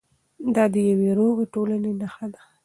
دا د یوې روغې ټولنې نښه ده.